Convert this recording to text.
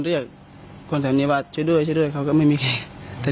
เรียกคนแถวนี้ว่าช่วยด้วยช่วยด้วยเขาก็ไม่มีใครแต่